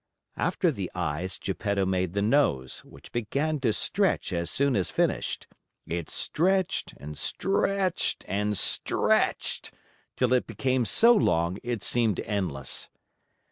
After the eyes, Geppetto made the nose, which began to stretch as soon as finished. It stretched and stretched and stretched till it became so long, it seemed endless.